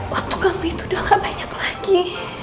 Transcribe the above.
waktu kamu itu udah gak banyak lagi